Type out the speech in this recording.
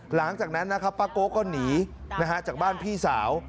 หลังจากนั้นนะครับป้าโกก็หนีจากบ้านพี่สาว